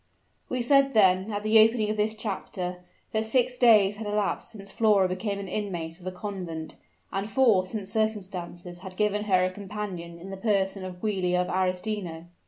We said then, at the opening of this chapter, that six days had elapsed since Flora became an inmate of the convent, and four since circumstances had given her a companion in the person of Giulia of Arestino.